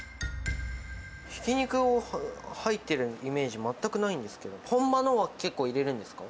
ひき肉が入ってるイメージ、全くないんですけど、本場のは結構入れるんですか？